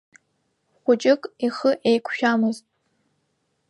Хәыҷык ихы еиқәшәамызт.